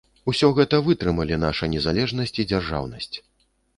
Усё гэта вытрымалі наша незалежнасць і дзяржаўнасць.